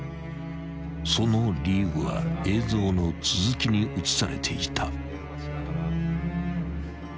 ［その理由は映像の続きに写されていた］